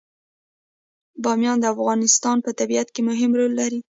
بامیان د افغانستان په طبیعت کې مهم رول لري.